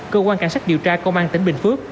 cơ quan cảnh sát điều tra công an tỉnh bình phước